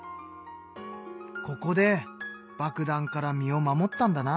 ここで爆弾から身を守ったんだな。